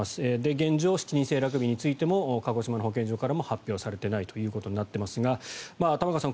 現状は７人制ラグビーについても鹿児島の保健所からも発表されていないということになっていますが玉川さん